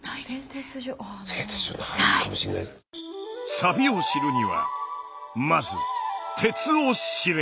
サビを知るにはまず鉄を知れ。